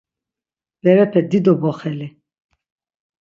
Berepe dido boxeli.